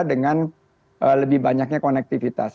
dengan lebih banyaknya konektivitas